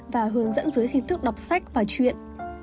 và hướng dẫn dưới hình thức đọc sách và chuyện